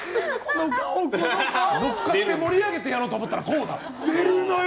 のっかって盛り上げてやろうと思ったらこうだよ！